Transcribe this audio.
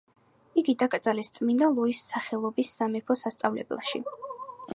იგი დაკრძალეს წმინდა ლუის სახელობის სამეფო სასწავლებელში.